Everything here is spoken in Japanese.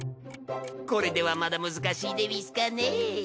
これではまだ難しいでうぃすかね？